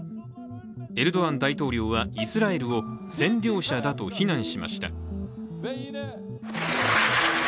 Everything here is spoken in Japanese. エルドアン大統領はイスラエルを占領者だと非難しました。